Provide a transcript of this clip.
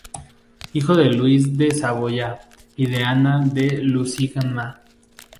Hijo de Luis de Saboya y de Ana de Lusignan.